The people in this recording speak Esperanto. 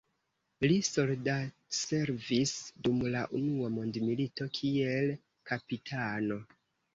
Li soldatservis dum la unua mondmilito kiel kapitano.